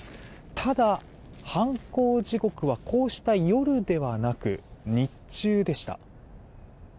ただ、犯行時刻はこうした夜ではなく日中でした。